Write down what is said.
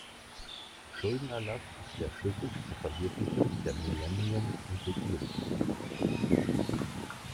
Schuldenerlass ist der Schlüssel zur Verwirklichung der Millennium-Entwicklungsziele.